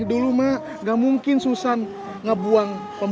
dulu mak gak mungkin susahan ngebuang kombo